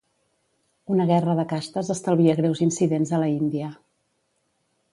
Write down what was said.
Una guerra de castes estalvia greus incidents a la Índia.